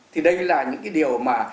thì đây là những cái điều mà